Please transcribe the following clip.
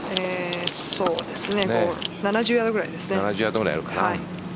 ７０ヤードぐらいですね。